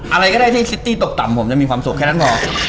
อะไรก็ได้ที่ซิตี้ตกต่ำผมจะมีความสุขแค่นั้นพอ